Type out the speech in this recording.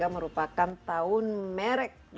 merupakan tahun merek